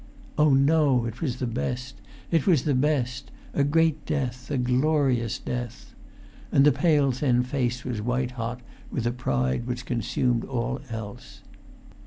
"Oh, no, it was the best. It was the best. A great death, a glorious death!" And the pale thin face was white hot with a pride which consumed all else.